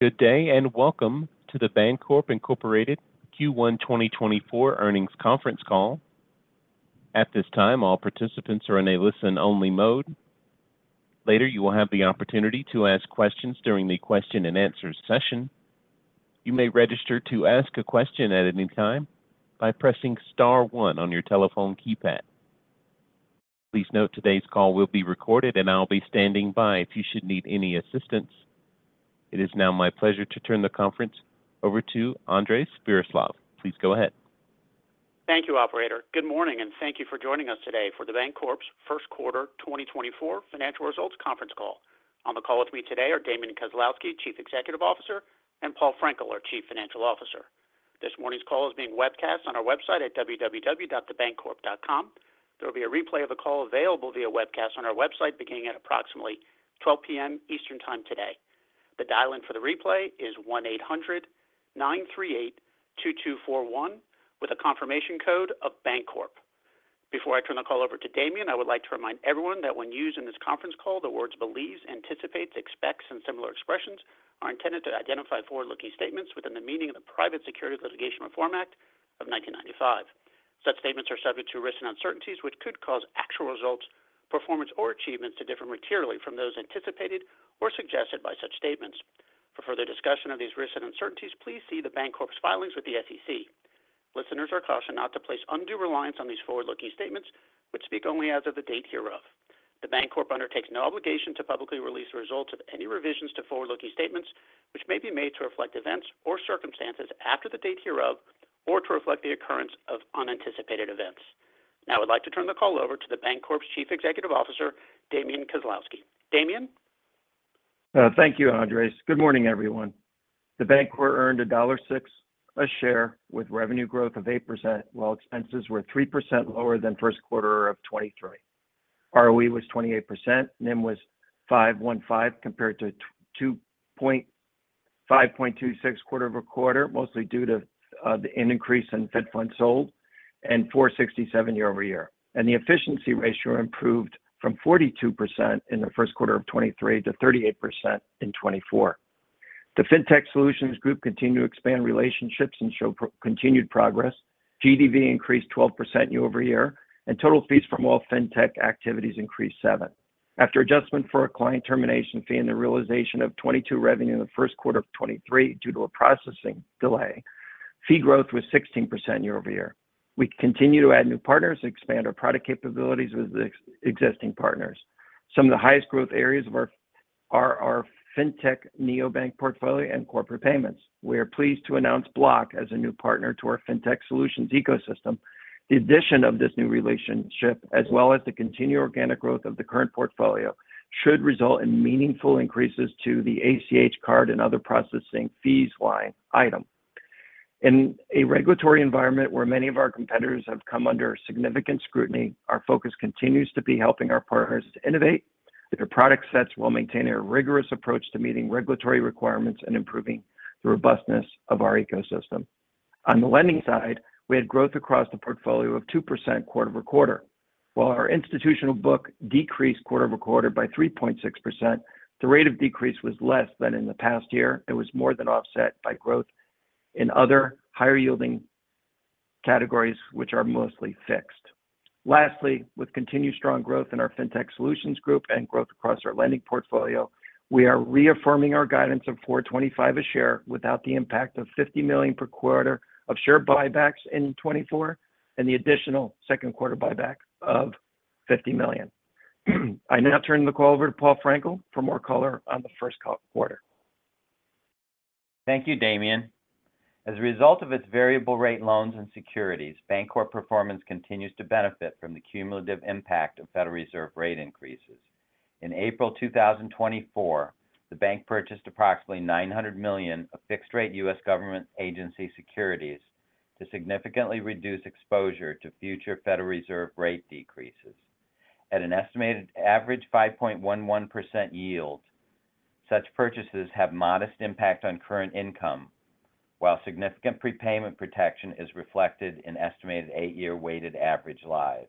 Good day and welcome to The Bancorp, Inc. Q1 2024 Earnings Conference Call. At this time, all participants are in a listen-only mode. Later, you will have the opportunity to ask questions during the question-and-answer session. You may register to ask a question at any time by pressing star one on your telephone keypad. Please note today's call will be recorded, and I'll be standing by if you should need any assistance. It is now my pleasure to turn the conference over to Andres Viroslav. Please go ahead. Thank you, operator. Good morning, and thank you for joining us today for The Bancorp's first quarter 2024 financial results conference call. On the call with me today are Damian Kozlowski, Chief Executive Officer, and Paul Frenkiel, our Chief Financial Officer. This morning's call is being webcast on our website at www.thebancorp.com. There will be a replay of the call available via webcast on our website beginning at approximately 12:00 P.M. Eastern Time today. The dial-in for the replay is 1-800-938-2241, with a confirmation code of Bancorp. Before I turn the call over to Damian, I would like to remind everyone that when used in this conference call, the words "believes," "anticipates," "expects," and similar expressions are intended to identify forward-looking statements within the meaning of the Private Securities Litigation Reform Act of 1995. Such statements are subject to risks and uncertainties which could cause actual results, performance, or achievements to differ materially from those anticipated or suggested by such statements. For further discussion of these risks and uncertainties, please see The Bancorp's filings with the SEC. Listeners are cautioned not to place undue reliance on these forward-looking statements which spe`ak only as of the date hereof. The Bancorp undertakes no obligation to publicly release the results of any revisions to forward-looking statements which may be made to reflect events or circumstances after the date hereof or to reflect the occurrence of unanticipated events. Now I would like to turn the call over to The Bancorp's Chief Executive Officer, Damian Kozlowski. Damian? Thank you, Andres. Good morning, everyone. The Bancorp earned $1.06 a share with revenue growth of 8% while expenses were 3% lower than first quarter of 2023. ROE was 28%. NIM was 5.15% compared to 5.26% quarter-over-quarter, mostly due to the increase in Fed funds sold and 4.67% year-over-year. And the efficiency ratio improved from 42% in the first quarter of 2023 to 38% in 2024. The FinTech Solutions Group continued to expand relationships and show continued progress. GDV increased 12% year-over-year, and total fees from all FinTech activities increased 7%. After adjustment for a client termination fee and the realization of $22 million revenue in the first quarter of 2023 due to a processing delay, fee growth was 16% year-over-year. We continue to add new partners and expand our product capabilities with the existing partners. Some of the highest growth areas of our FinTech neobank portfolio and corporate payments. We are pleased to announce Block as a new partner to our FinTech Solutions ecosystem. The addition of this new relationship, as well as the continued organic growth of the current portfolio, should result in meaningful increases to the ACH card and other processing fees line item. In a regulatory environment where many of our competitors have come under significant scrutiny, our focus continues to be helping our partners innovate. Their product sets will maintain a rigorous approach to meeting regulatory requirements and improving the robustness of our ecosystem. On the lending side, we had growth across the portfolio of 2% quarter-over-quarter. While our institutional book decreased quarter-over-quarter by 3.6%, the rate of decrease was less than in the past year. It was more than offset by growth in other higher-yielding categories, which are mostly fixed. Lastly, with continued strong growth in our FinTech Solutions Group and growth across our lending portfolio, we are reaffirming our guidance of $4.25 a share without the impact of $50 million per quarter of share buybacks in 2024 and the additional second quarter buyback of $50 million. I now turn the call over to Paul Frenkiel for more color on the first quarter. Thank you, Damian. As a result of its variable-rate loans and securities, The Bancorp's performance continues to benefit from the cumulative impact of Federal Reserve rate increases. In April 2024, the bank purchased approximately $900 million of fixed-rate U.S. government agency securities to significantly reduce exposure to future Federal Reserve rate decreases. At an estimated average 5.11% yield, such purchases have modest impact on current income, while significant prepayment protection is reflected in estimated eight-year weighted average lives.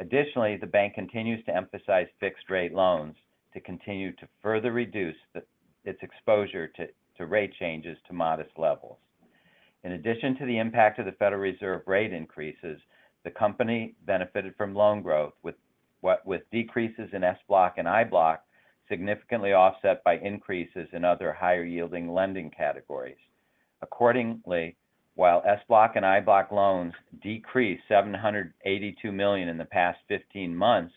Additionally, the bank continues to emphasize fixed-rate loans to continue to further reduce its exposure to rate changes to modest levels. In addition to the impact of the Federal Reserve rate increases, the company benefited from loan growth, with decreases in SBLOC and IBLOC significantly offset by increases in other higher-yielding lending categories. Accordingly, while SBLOC and IBLOC loans decreased $782 million in the past 15 months,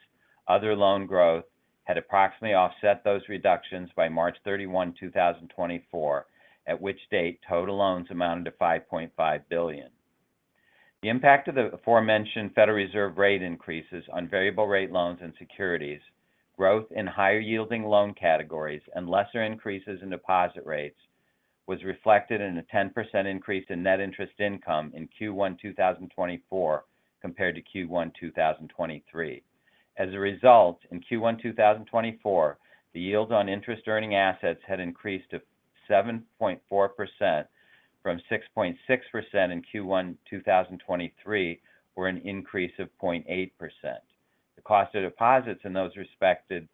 other loan growth had approximately offset those reductions by March 31, 2024, at which date total loans amounted to $5.5 billion. The impact of the aforementioned Federal Reserve rate increases on variable-rate loans and securities, growth in higher-yielding loan categories, and lesser increases in deposit rates was reflected in a 10% increase in net interest income in Q1 2024 compared to Q1 2023. As a result, in Q1 2024, the yield on interest-earning assets had increased to 7.4% from 6.6% in Q1 2023, where an increase of 0.8%. The cost of deposits in those respective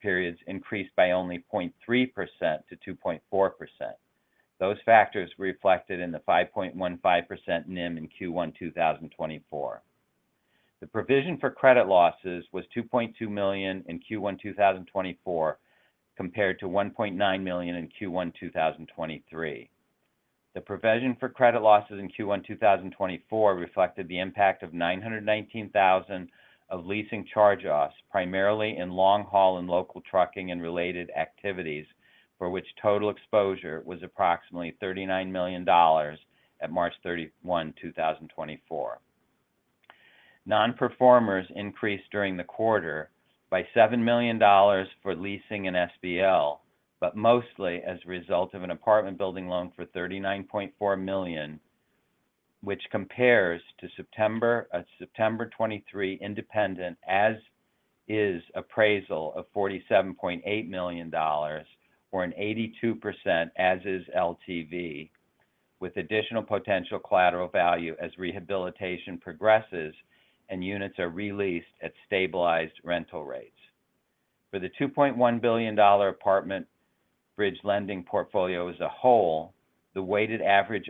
periods increased by only 0.3%-2.4%. Those factors were reflected in the 5.15% NIM in Q1 2024. The provision for credit losses was $2.2 million in Q1 2024 compared to $1.9 million in Q1 2023. The provision for credit losses in Q1 2024 reflected the impact of $919,000 of leasing charge-offs, primarily in long-haul and local trucking and related activities, for which total exposure was approximately $39 million at March 31, 2024. Non-performers increased during the quarter by $7 million for leasing and SBL, but mostly as a result of an apartment building loan for $39.4 million, which compares to September 23 independent as-is appraisal of $47.8 million, or an 82% as-is LTV, with additional potential collateral value as rehabilitation progresses and units are released at stabilized rental rates. For the $2.1 billion apartment bridge lending portfolio as a whole, the weighted average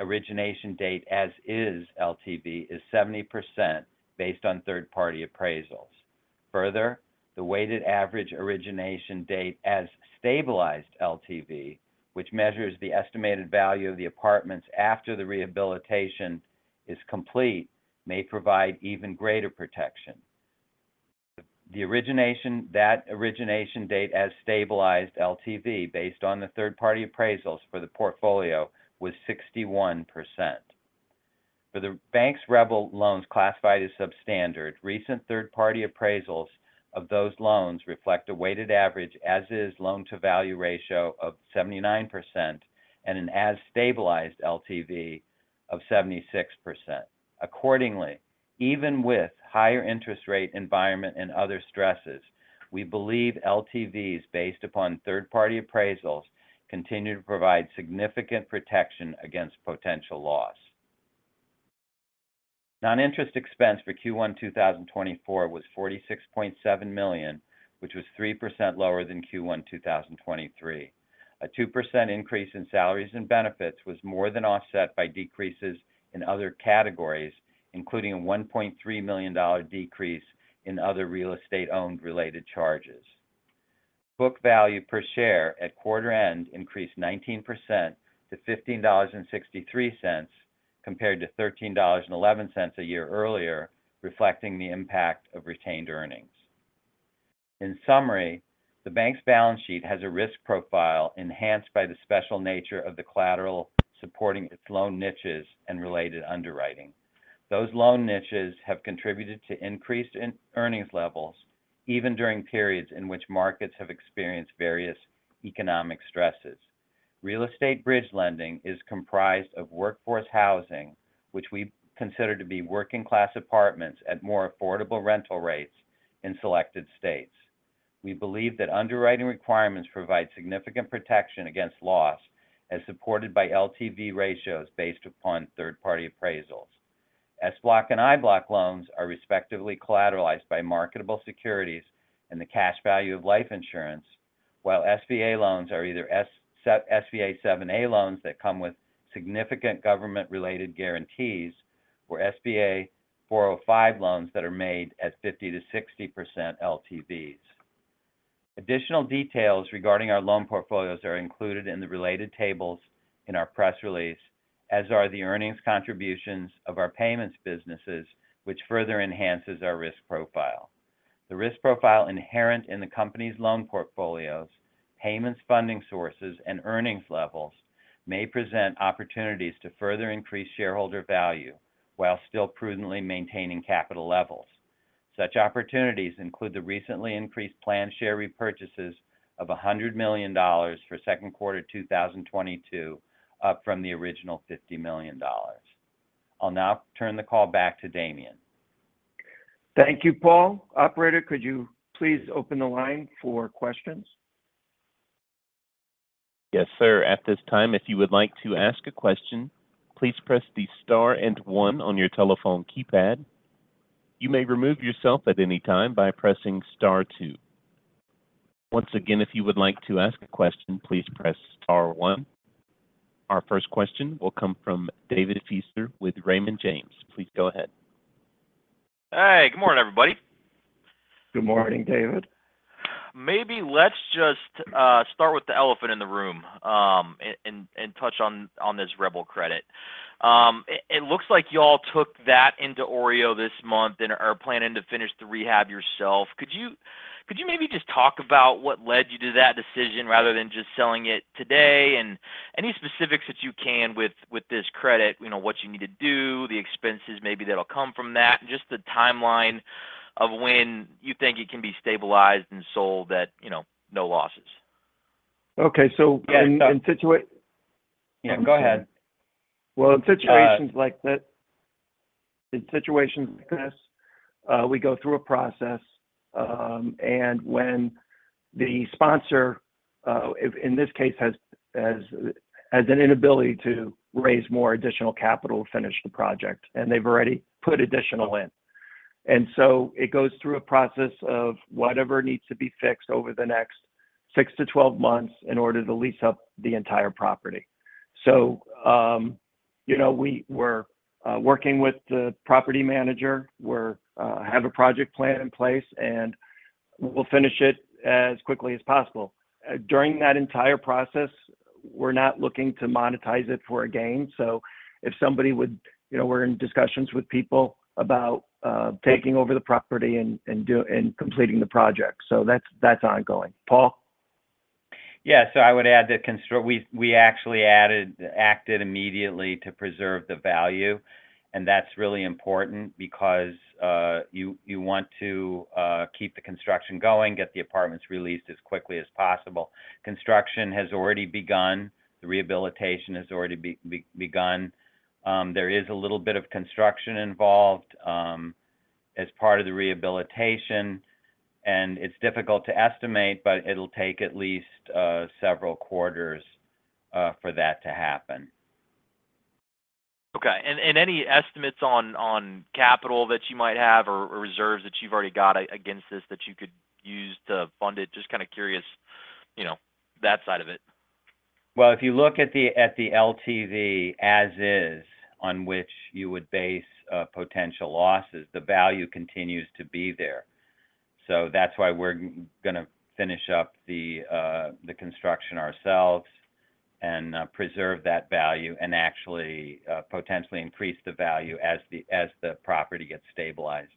origination date as-is LTV is 70% based on third-party appraisals. Further, the weighted average origination date as-stabilized LTV, which measures the estimated value of the apartments after the rehabilitation is complete, may provide even greater protection. The origination date as-stabilized LTV based on the third-party appraisals for the portfolio was 61%. For the banks' REBL loans classified as substandard, recent third-party appraisals of those loans reflect a weighted average as-is loan-to-value ratio of 79% and an as-stabilized LTV of 76%. Accordingly, even with higher interest rate environment and other stresses, we believe LTVs based upon third-party appraisals continue to provide significant protection against potential loss. Non-interest expense for Q1 2024 was $46.7 million, which was 3% lower than Q1 2023. A 2% increase in salaries and benefits was more than offset by decreases in other categories, including a $1.3 million decrease in other real estate owned related charges. Book value per share at quarter end increased 19% to $15.63 compared to $13.11 a year earlier, reflecting the impact of retained earnings. In summary, the bank's balance sheet has a risk profile enhanced by the special nature of the collateral supporting its loan niches and related underwriting. Those loan niches have contributed to increased earnings levels even during periods in which markets have experienced various economic stresses. Real estate bridge lending is comprised of workforce housing, which we consider to be working-class apartments at more affordable rental rates in selected states. We believe that underwriting requirements provide significant protection against loss, as supported by LTV ratios based upon third-party appraisals. SBLOC and IBLOC loans are respectively collateralized by marketable securities and the cash value of life insurance, while SBA loans are either SBA 7(a) loans that come with significant government-related guarantees or SBA 504 loans that are made at 50%-60% LTVs. Additional details regarding our loan portfolios are included in the related tables in our press release, as are the earnings contributions of our payments businesses, which further enhances our risk profile. The risk profile inherent in the company's loan portfolios, payments funding sources, and earnings levels may present opportunities to further increase shareholder value while still prudently maintaining capital levels. Such opportunities include the recently increased planned share repurchases of $100 million for second quarter 2022, up from the original $50 million. I'll now turn the call back to Damian. Thank you, Paul. Operator, could you please open the line for questions? Yes, sir. At this time, if you would like to ask a question, please press the star and one on your telephone keypad. You may remove yourself at any time by pressing star two. Once again, if you would like to ask a question, please press star one. Our first question will come from David Feaster with Raymond James. Please go ahead. Hey, good morning, everybody. Good morning, David. Maybe let's just start with the elephant in the room and touch on this REBL credit. It looks like y'all took that into OREO this month and are planning to finish the rehab yourself. Could you maybe just talk about what led you to that decision rather than just selling it today? Any specifics that you can with this credit, what you need to do, the expenses maybe that'll come from that, and just the timeline of when you think it can be stabilized and sold at no losses? Okay. So in situation. Yeah, go ahead. Well, in situations like this, we go through a process, and when the sponsor, in this case, has an inability to raise more additional capital to finish the project, and they've already put additional in. And so it goes through a process of whatever needs to be fixed over the next 6-12 months in order to lease up the entire property. So we're working with the property manager. We have a project plan in place, and we'll finish it as quickly as possible. During that entire process, we're not looking to monetize it for a gain. So if somebody would we're in discussions with people about taking over the property and completing the project. So that's ongoing. Paul? Yeah. So I would add that we actually acted immediately to preserve the value. And that's really important because you want to keep the construction going, get the apartments released as quickly as possible. Construction has already begun. The rehabilitation has already begun. There is a little bit of construction involved as part of the rehabilitation, and it's difficult to estimate, but it'll take at least several quarters for that to happen. Okay. Any estimates on capital that you might have or reserves that you've already got against this that you could use to fund it? Just kind of curious that side of it. Well, if you look at the LTV as-is on which you would base potential losses, the value continues to be there. So that's why we're going to finish up the construction ourselves and preserve that value and actually potentially increase the value as the property gets stabilized.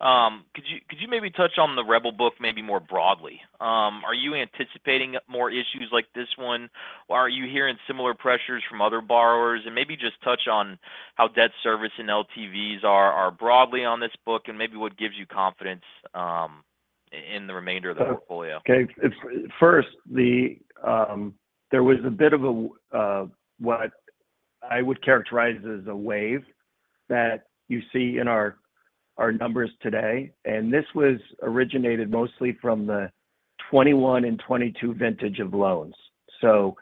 Okay. Could you maybe touch on the REBL book maybe more broadly? Are you anticipating more issues like this one, or are you hearing similar pressures from other borrowers? And maybe just touch on how debt service and LTVs are broadly on this book and maybe what gives you confidence in the remainder of the portfolio. Okay. First, there was a bit of what I would characterize as a wave that you see in our numbers today. And this originated mostly from the 2021 and 2022 vintage of loans. So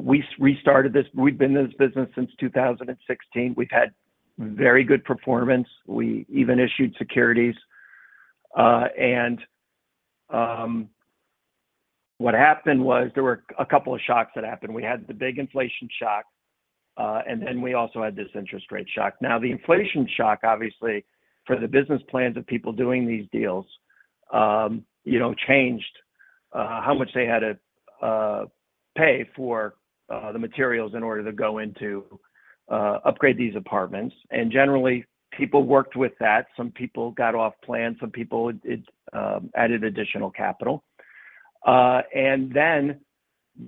we've been in this business since 2016. We've had very good performance. We even issued securities. And what happened was there were a couple of shocks that happened. We had the big inflation shock, and then we also had this interest rate shock. Now, the inflation shock, obviously, for the business plans of people doing these deals changed how much they had to pay for the materials in order to go into upgrade these apartments. And generally, people worked with that. Some people got off plan. Some people added additional capital. And then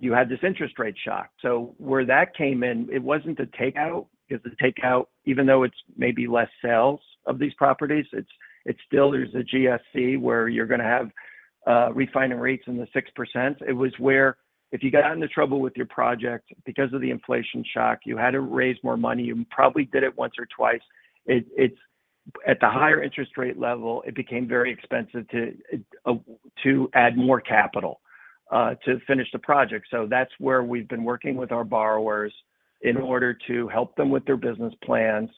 you had this interest rate shock. So where that came in, it wasn't a takeout because the takeout, even though it's maybe less sales of these properties, there's a GSE where you're going to have refinancing rates in the 6%. It was where if you got into trouble with your project because of the inflation shock, you had to raise more money. You probably did it once or twice. At the higher interest rate level, it became very expensive to add more capital to finish the project. So that's where we've been working with our borrowers in order to help them with their business plans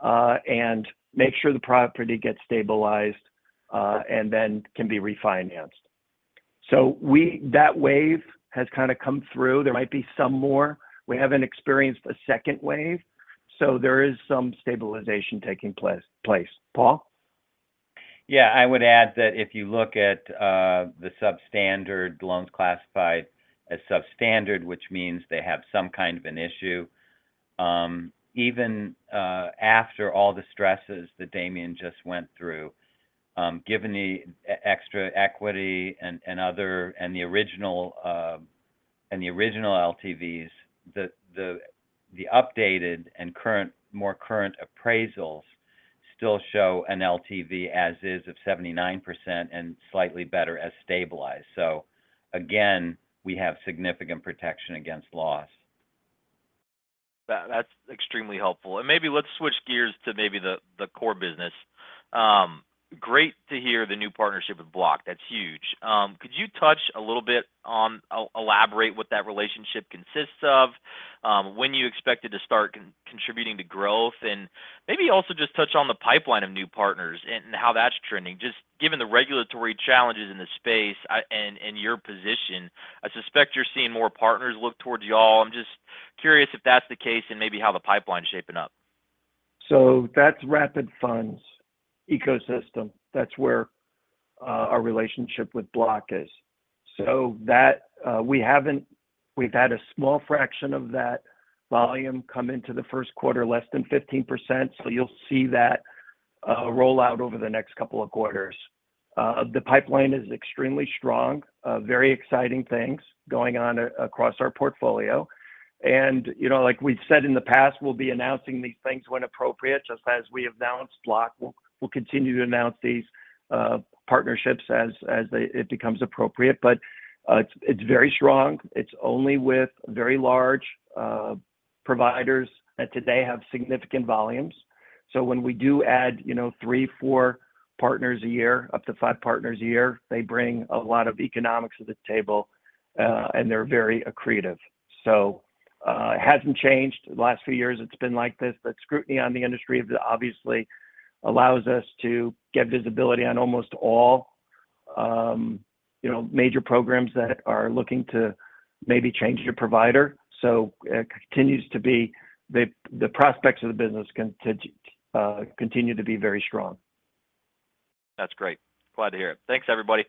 and make sure the property gets stabilized and then can be refinanced. So that wave has kind of come through. There might be some more. We haven't experienced a second wave. So there is some stabilization taking place. Paul? Yeah. I would add that if you look at the substandard loans classified as substandard, which means they have some kind of an issue, even after all the stresses that Damian just went through, given the extra equity and the original LTVs, the updated and more current appraisals still show an LTV as-is of 79% and slightly better as stabilized. So again, we have significant protection against loss. That's extremely helpful. Maybe let's switch gears to maybe the core business. Great to hear the new partnership with Block. That's huge. Could you touch a little bit, elaborate what that relationship consists of, when you expect it to start contributing to growth, and maybe also just touch on the pipeline of new partners and how that's trending? Just given the regulatory challenges in the space and your position, I suspect you're seeing more partners look towards y'all. I'm just curious if that's the case and maybe how the pipeline's shaping up? That's Rapid Funds ecosystem. That's where our relationship with Block is. We've had a small fraction of that volume come into the first quarter, less than 15%. You'll see that roll out over the next couple of quarters. The pipeline is extremely strong, very exciting things going on across our portfolio. Like we've said in the past, we'll be announcing these things when appropriate. Just as we have announced Block, we'll continue to announce these partnerships as it becomes appropriate. It's very strong. It's only with very large providers that today have significant volumes. When we do add three, four partners a year, up to five partners a year, they bring a lot of economics to the table, and they're very accretive. It hasn't changed. The last few years, it's been like this. The scrutiny on the industry, obviously, allows us to get visibility on almost all major programs that are looking to maybe change your provider. So it continues to be the prospects of the business continue to be very strong. That's great. Glad to hear it. Thanks, everybody.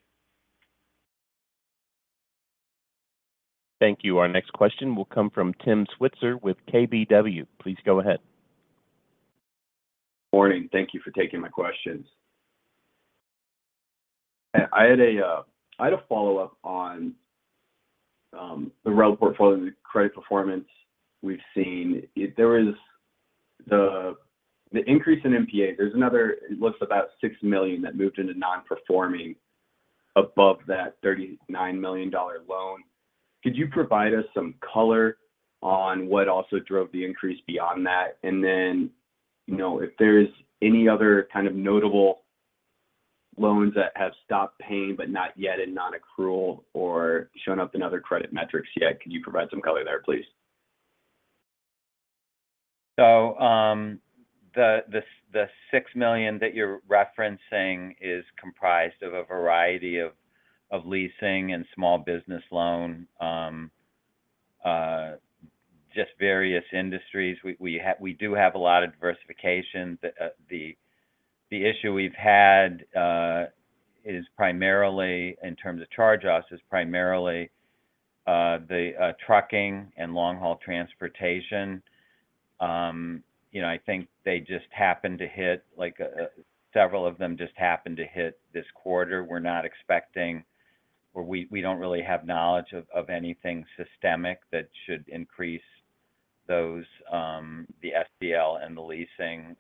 Thank you. Our next question will come from Tim Switzer with KBW. Please go ahead. Morning. Thank you for taking my questions. I had a follow-up on the REBL portfolio, the credit performance we've seen. There was the increase in NPA. It looks about $6 million that moved into non-performing above that $39 million loan. Could you provide us some color on what also drove the increase beyond that? And then if there's any other kind of notable loans that have stopped paying but not yet in non-accrual or shown up in other credit metrics yet, could you provide some color there, please? So the $6 million that you're referencing is comprised of a variety of leasing and small business loan, just various industries. We do have a lot of diversification. The issue we've had in terms of charge-offs is primarily the trucking and long-haul transportation. I think they just happened to hit several of them just happened to hit this quarter. We're not expecting or we don't really have knowledge of anything systemic that should increase the SBL and the leasing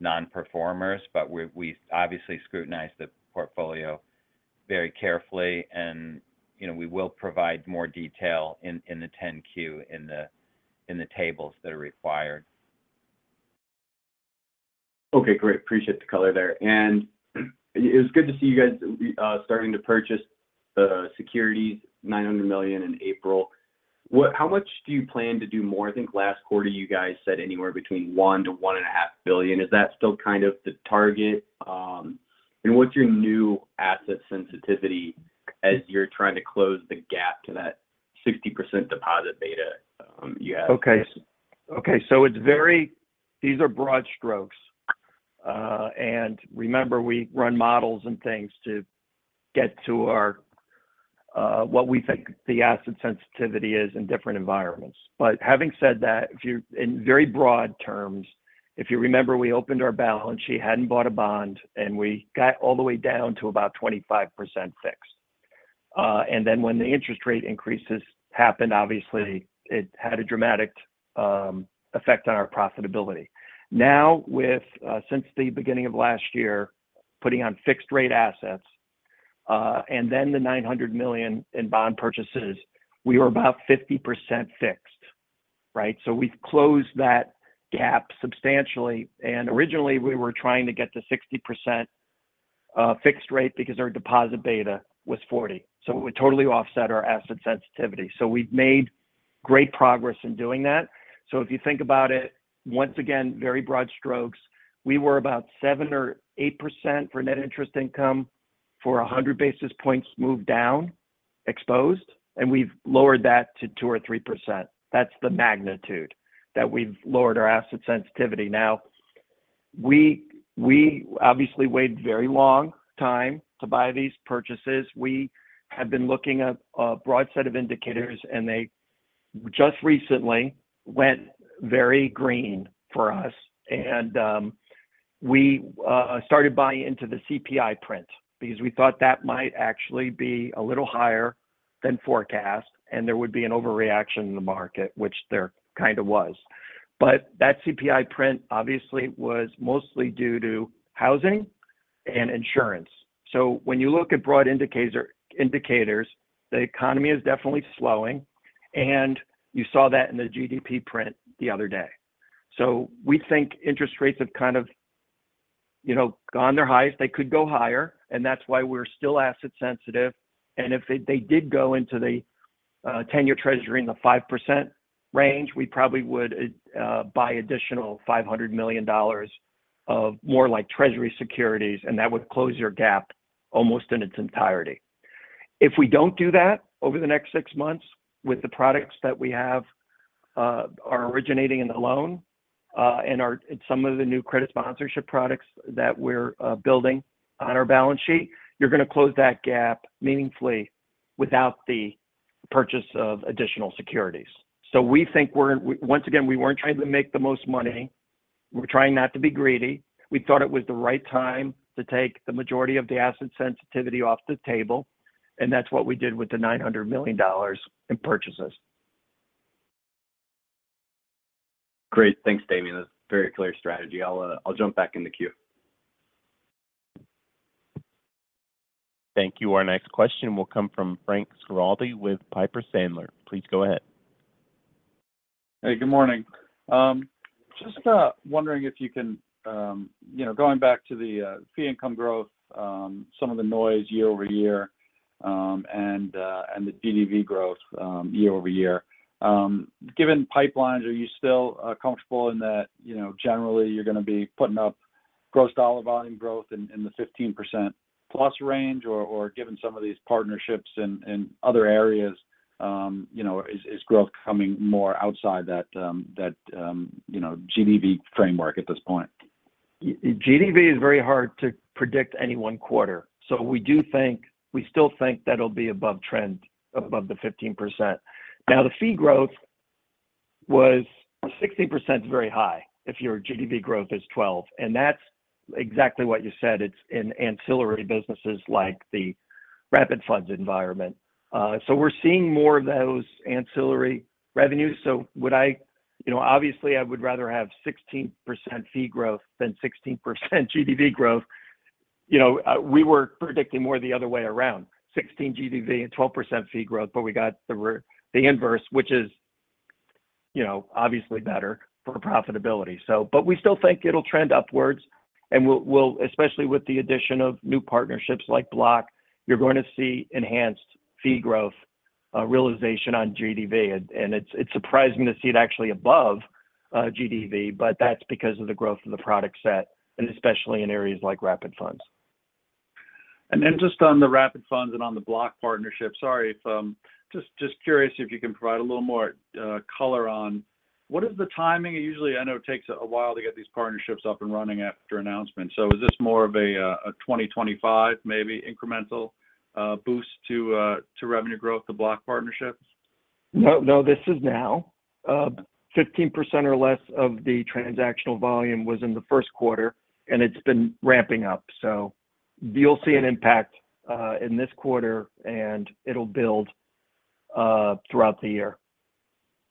non-performers. But we obviously scrutinize the portfolio very carefully, and we will provide more detail in the 10-Q in the tables that are required. Okay. Great. Appreciate the color there. It was good to see you guys starting to purchase the securities, $900 million in April. How much do you plan to do more? I think last quarter, you guys said anywhere between $1 billion-$1.5 billion. Is that still kind of the target? And what's your new asset sensitivity as you're trying to close the gap to that 60% deposit beta you have? Okay. Okay. So these are broad strokes. And remember, we run models and things to get to what we think the asset sensitivity is in different environments. But having said that, in very broad terms, if you remember, we opened our balance sheet, hadn't bought a bond, and we got all the way down to about 25% fixed. And then when the interest rate increases happened, obviously, it had a dramatic effect on our profitability. Now, since the beginning of last year, putting on fixed-rate assets and then the $900 million in bond purchases, we were about 50% fixed, right? So we've closed that gap substantially. And originally, we were trying to get to 60% fixed rate because our deposit beta was 40%. So it would totally offset our asset sensitivity. So we've made great progress in doing that. So if you think about it, once again, very broad strokes, we were about 7% or 8% for net interest income for 100 basis points moved down exposed, and we've lowered that to 2% or 3%. That's the magnitude that we've lowered our asset sensitivity. Now, we obviously waited very long time to buy these purchases. We have been looking at a broad set of indicators, and they just recently went very green for us. And we started buying into the CPI print because we thought that might actually be a little higher than forecast, and there would be an overreaction in the market, which there kind of was. But that CPI print, obviously, was mostly due to housing and insurance. So when you look at broad indicators, the economy is definitely slowing, and you saw that in the GDP print the other day. So we think interest rates have kind of gone their highest. They could go higher, and that's why we're still asset sensitive. And if they did go into the 10-year Treasury in the 5% range, we probably would buy additional $500 million of more like Treasury securities, and that would close your gap almost in its entirety. If we don't do that over the next six months with the products that we have are originating in the loan and some of the new credit sponsorship products that we're building on our balance sheet, you're going to close that gap meaningfully without the purchase of additional securities. So once again, we weren't trying to make the most money. We're trying not to be greedy. We thought it was the right time to take the majority of the asset sensitivity off the table, and that's what we did with the $900 million in purchases. Great. Thanks, Damian. That's a very clear strategy. I'll jump back in the queue. Thank you. Our next question will come from Frank Schiraldi with Piper Sandler. Please go ahead. Hey. Good morning. Just wondering if you can going back to the fee income growth, some of the noise year-over-year and the GDV growth year-over-year, given pipelines, are you still comfortable in that generally, you're going to be putting up gross dollar volume growth in the 15%+ range? Or given some of these partnerships in other areas, is growth coming more outside that GDV framework at this point? GDV is very hard to predict any one quarter. So we still think that'll be above trend, above the 15%. Now, the fee growth was 16%, is very high if your GDV growth is 12%. And that's exactly what you said. It's in ancillary businesses like the Rapid Funds environment. So we're seeing more of those ancillary revenues. So obviously, I would rather have 16% fee growth than 16% GDV growth. We were predicting more the other way around, 16% GDV and 12% fee growth, but we got the inverse, which is obviously better for profitability. But we still think it'll trend upwards. And especially with the addition of new partnerships like Block, you're going to see enhanced fee growth realization on GDV. And it's surprising to see it actually above GDV, but that's because of the growth of the product set, and especially in areas like Rapid Funds. And then just on the Rapid Funds and on the Block partnership, sorry, just curious if you can provide a little more color on what is the timing? Usually, I know it takes a while to get these partnerships up and running after announcements. So is this more of a 2025, maybe, incremental boost to revenue growth, the Block partnerships? No, no. This is now. 15% or less of the transactional volume was in the first quarter, and it's been ramping up. So you'll see an impact in this quarter, and it'll build throughout the year.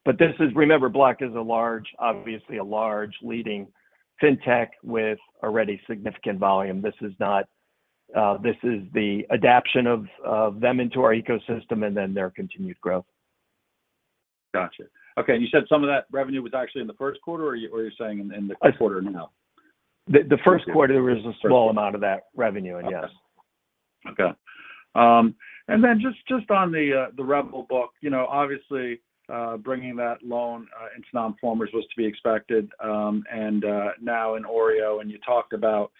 But remember, Block is obviously a large leading fintech with already significant volume. This is the adoption of them into our ecosystem and then their continued growth. Gotcha. Okay. And you said some of that revenue was actually in the first quarter, or are you saying in the quarter now? The first quarter, there was a small amount of that revenue in, yes. Okay. And then just on the REBL book, obviously, bringing that loan into non-performers was to be expected. And now in OREO, and you talked about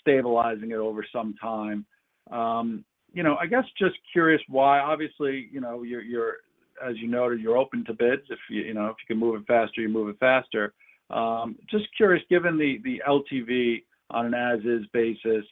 stabilizing it over some time. I guess just curious why, obviously, as you noted, you're open to bids. If you can move it faster, you move it faster. Just curious, given the LTV on an as-is basis,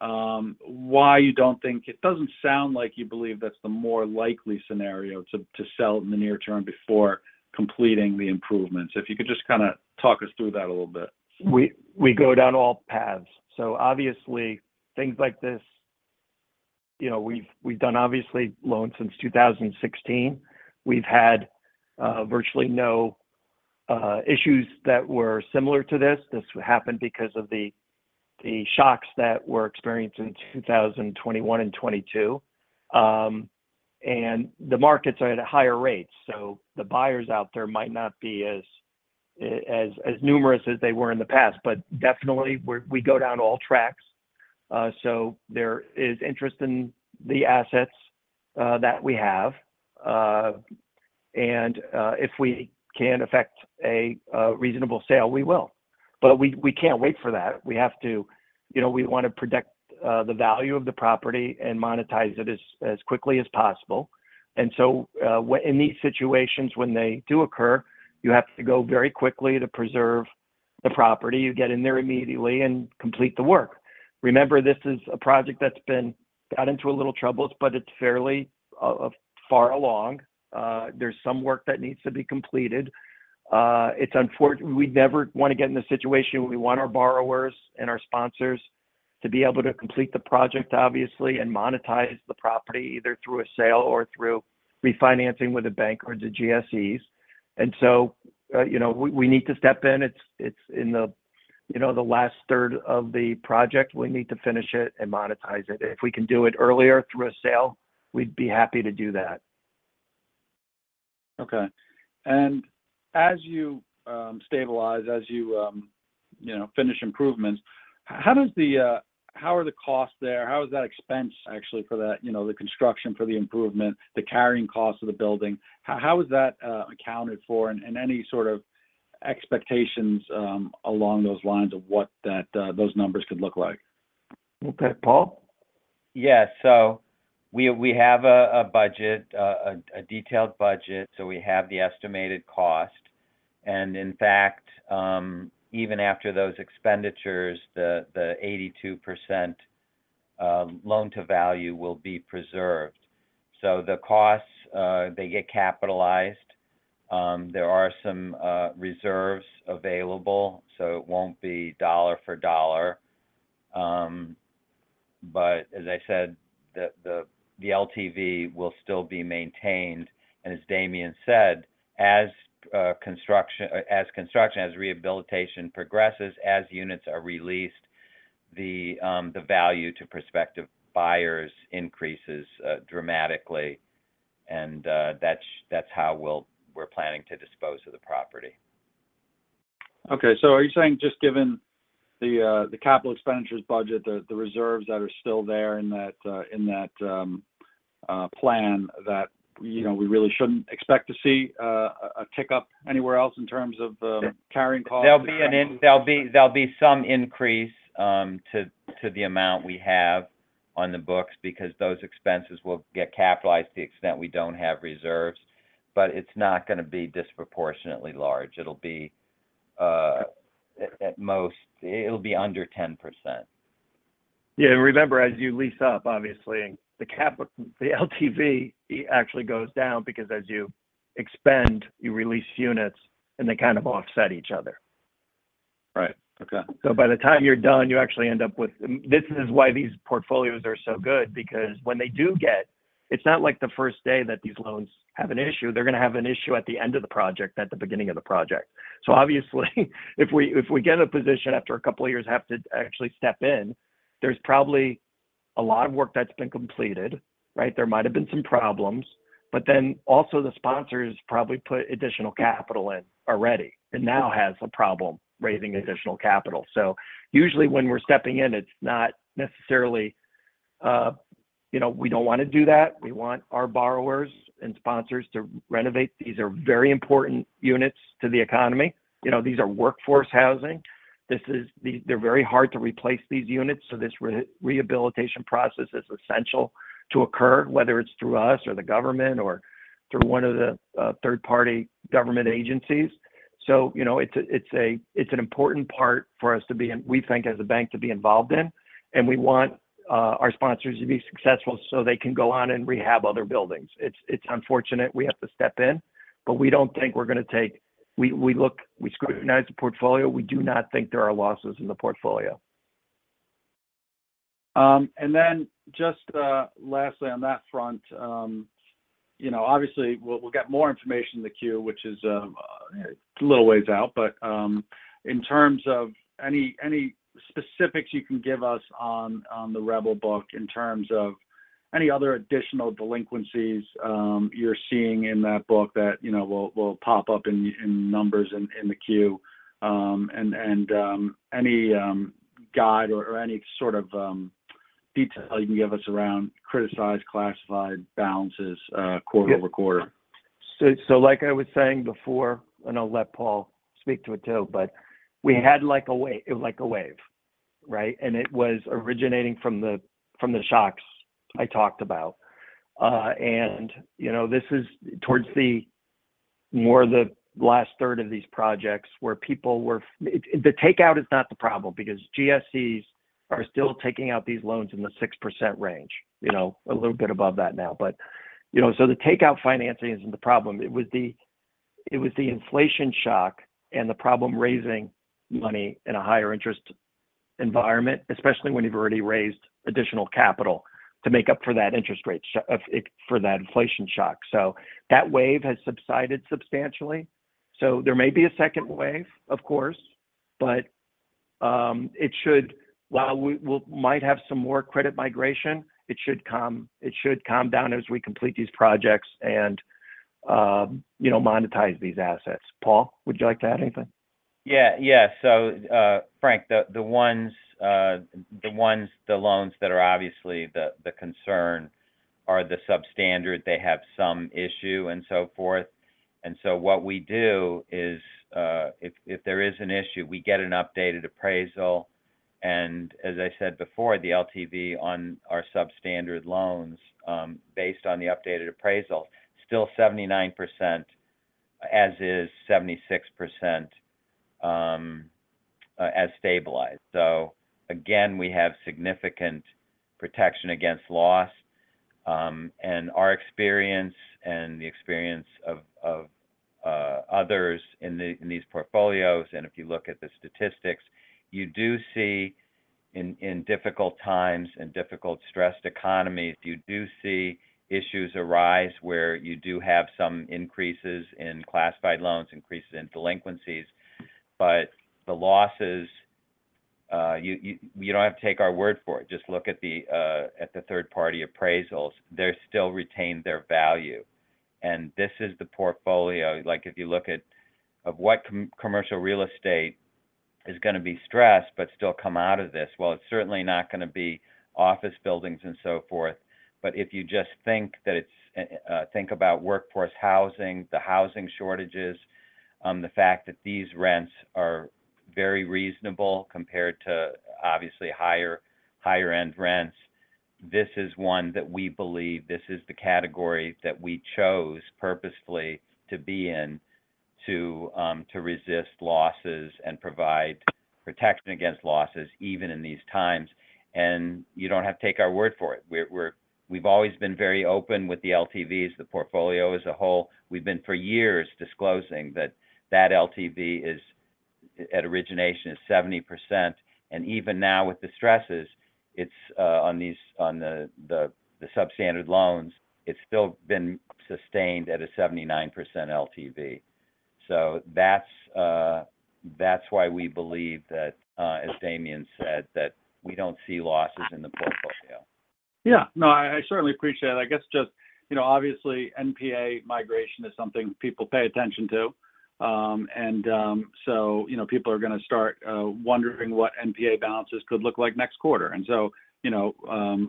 why you don't think it doesn't sound like you believe that's the more likely scenario to sell in the near term before completing the improvements. If you could just kind of talk us through that a little bit. We go down all paths. So obviously, things like this, we've done, obviously, loans since 2016. We've had virtually no issues that were similar to this. This happened because of the shocks that were experienced in 2021 and 2022. And the markets are at higher rates, so the buyers out there might not be as numerous as they were in the past. But definitely, we go down all tracks. So there is interest in the assets that we have. And if we can effect a reasonable sale, we will. But we can't wait for that. We have to want to predict the value of the property and monetize it as quickly as possible. And so in these situations, when they do occur, you have to go very quickly to preserve the property. You get in there immediately and complete the work. Remember, this is a project that's been got into a little troubles, but it's far along. There's some work that needs to be completed. We never want to get in the situation where we want our borrowers and our sponsors to be able to complete the project, obviously, and monetize the property either through a sale or through refinancing with a bank or the GSEs. And so we need to step in. It's in the last third of the project. We need to finish it and monetize it. If we can do it earlier through a sale, we'd be happy to do that. Okay. As you stabilize, as you finish improvements, how are the costs there? How is that expense? Actually, for the construction, for the improvement, the carrying costs of the building? How is that accounted for and any sort of expectations along those lines of what those numbers could look like? Okay. Paul? Yes. So we have a budget, a detailed budget. So we have the estimated cost. And in fact, even after those expenditures, the 82% loan-to-value will be preserved. So the costs, they get capitalized. There are some reserves available, so it won't be dollar for dollar. But as I said, the LTV will still be maintained. And as Damian said, as construction, as rehabilitation progresses, as units are released, the value to prospective buyers increases dramatically. And that's how we're planning to dispose of the property. Okay. So are you saying just given the capital expenditures budget, the reserves that are still there in that plan that we really shouldn't expect to see a tick-up anywhere else in terms of carrying costs? There'll be some increase to the amount we have on the books because those expenses will get capitalized to the extent we don't have reserves. But it's not going to be disproportionately large. It'll be at most under 10%. Yeah. And remember, as you lease up, obviously, the LTV actually goes down because as you expend, you release units, and they kind of offset each other. So by the time you're done, you actually end up with this. This is why these portfolios are so good because when they do get, it's not like the first day that these loans have an issue. They're going to have an issue at the end of the project, at the beginning of the project. So obviously, if we get a position after a couple of years have to actually step in, there's probably a lot of work that's been completed, right? There might have been some problems. But then also, the sponsors probably put additional capital in already and now have a problem raising additional capital. So usually, when we're stepping in, it's not necessarily we don't want to do that. We want our borrowers and sponsors to renovate. These are very important units to the economy. These are workforce housing. They're very hard to replace these units. So this rehabilitation process is essential to occur, whether it's through us or the government or through one of the third-party government agencies. So it's an important part for us to be we think as a bank to be involved in. And we want our sponsors to be successful so they can go on and rehab other buildings. It's unfortunate we have to step in, but we don't think we're going to take we scrutinize the portfolio. We do not think there are losses in the portfolio. And then just lastly on that front, obviously, we'll get more information in the queue, which is a little ways out. But in terms of any specifics you can give us on the REBL book in terms of any other additional delinquencies you're seeing in that book that will pop up in numbers in the queue and any guide or any sort of detail you can give us around criticized, classified balances quarter-over-quarter? So like I was saying before, and I'll let Paul speak to it too, but we had a wave. It was like a wave, right? And it was originating from the shocks I talked about. And this is towards more of the last third of these projects where people were. The takeout is not the problem because GSEs are still taking out these loans in the 6% range, a little bit above that now. So the takeout financing isn't the problem. It was the inflation shock and the problem raising money in a higher interest environment, especially when you've already raised additional capital to make up for that interest rate for that inflation shock. So that wave has subsided substantially. So there may be a second wave, of course, but while we might have some more credit migration, it should calm down as we complete these projects and monetize these assets. Paul, would you like to add anything? Yeah. Yeah. So, Frank, the loans that are obviously the concern are the substandard. They have some issue and so forth. And so what we do is if there is an issue, we get an updated appraisal. And as I said before, the LTV on our substandard loans based on the updated appraisal is still 79% as-is, 76% as stabilized. So again, we have significant protection against loss. And our experience and the experience of others in these portfolios and if you look at the statistics, you do see in difficult times and difficult stressed economies, you do see issues arise where you do have some increases in classified loans, increases in delinquencies. But the losses, you don't have to take our word for it. Just look at the third-party appraisals. They still retain their value. And this is the portfolio, if you look at, of what commercial real estate is going to be stressed but still come out of this. Well, it's certainly not going to be office buildings and so forth. But if you just think about workforce housing, the housing shortages, the fact that these rents are very reasonable compared to, obviously, higher-end rents, this is one that we believe this is the category that we chose purposefully to be in to resist losses and provide protection against losses even in these times. And you don't have to take our word for it. We've always been very open with the LTVs. The portfolio as a whole, we've been for years disclosing that that LTV at origination is 70%. And even now with the stresses, on the Substandard loans, it's still been sustained at a 79% LTV. So that's why we believe that, as Damian said, that we don't see losses in the portfolio. Yeah. No, I certainly appreciate it. I guess just obviously, NPA migration is something people pay attention to. And so people are going to start wondering what NPA balances could look like next quarter. And so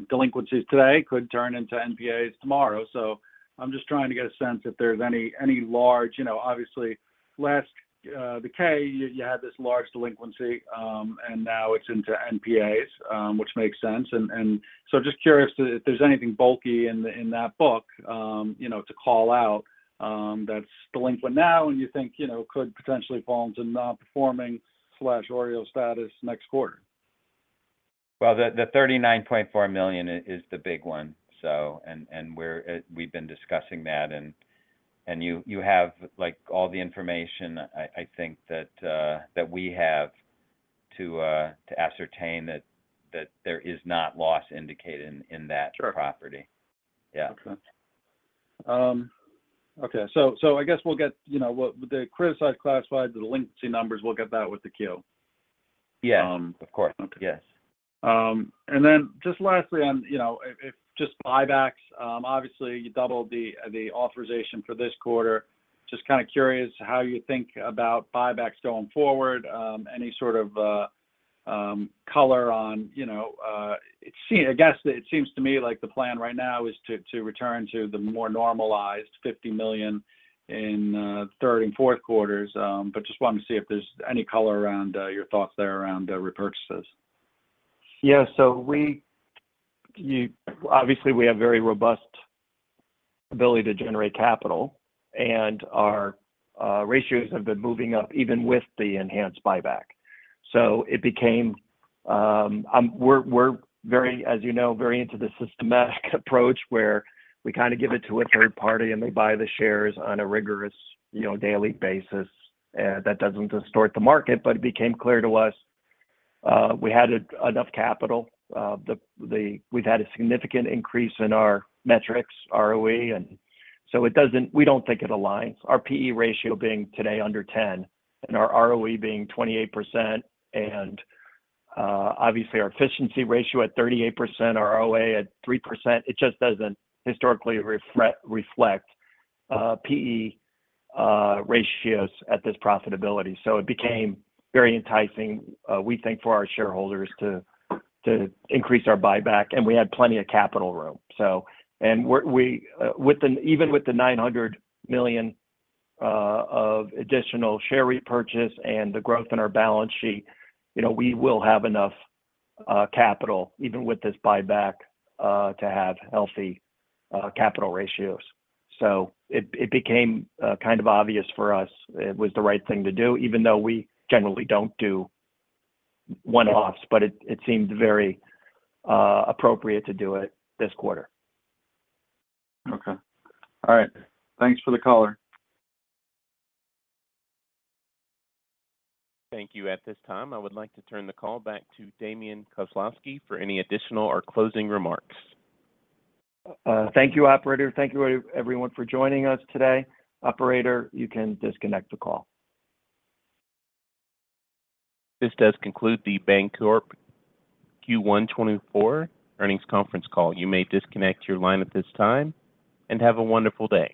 delinquencies today could turn into NPAs tomorrow. So I'm just trying to get a sense if there's any large obviously, last decade, you had this large delinquency, and now it's into NPAs, which makes sense. And so just curious if there's anything bulky in that book to call out that's delinquent now and you think could potentially fall into non-performing/OREO status next quarter. Well, the $39.4 million is the big one, so. We've been discussing that. You have all the information, I think, that we have to ascertain that there is not loss indicated in that property. Yeah. Okay. Okay. So, I guess we'll get the criticized, classified, the delinquency numbers. We'll get that with the Q. Yes. Of course. Yes. And then just lastly on just buybacks, obviously, you doubled the authorization for this quarter. Just kind of curious how you think about buybacks going forward, any sort of color on—I guess it seems to me like the plan right now is to return to the more normalized $50 million in third and fourth quarters. But just wanted to see if there's any color around your thoughts there around repurchases. Yeah. So obviously, we have very robust ability to generate capital, and our ratios have been moving up even with the enhanced buyback. So, it became. We're, as you know, very into the systematic approach where we kind of give it to a third party, and they buy the shares on a rigorous daily basis. That doesn't distort the market, but it became clear to us we had enough capital. We've had a significant increase in our metrics, ROE. And so we don't think it aligns, our PE ratio being today under 10 and our ROE being 28%. And obviously, our efficiency ratio at 38%, our ROA at 3%. It just doesn't historically reflect PE ratios at this profitability. So it became very enticing, we think, for our shareholders to increase our buyback. And we had plenty of capital room, so. Even with the $900 million of additional share repurchase and the growth in our balance sheet, we will have enough capital even with this buyback to have healthy capital ratios. So it became kind of obvious for us it was the right thing to do, even though we generally don't do one-offs, but it seemed very appropriate to do it this quarter. Okay. All right. Thanks for the caller. Thank you. At this time, I would like to turn the call back to Damian Kozlowski for any additional or closing remarks. Thank you, operator. Thank you, everyone, for joining us today. Operator, you can disconnect the call. This does conclude the Bancorp Q1 2024 earnings conference call. You may disconnect your line at this time. Have a wonderful day.